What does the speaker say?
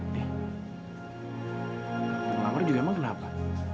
ngelamar juga emang kenapa